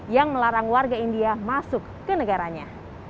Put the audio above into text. yang melarang warga india masuk ke negaranya